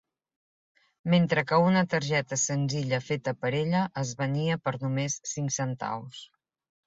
Mentre que una targeta senzilla feta per ella es venia per només cinc centaus.